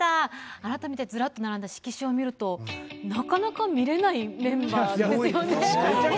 改めてずらっと並んだ色紙を見るとなかなか見れないメンバーですよね。